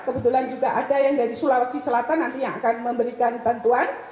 kebetulan juga ada yang dari sulawesi selatan nanti yang akan memberikan bantuan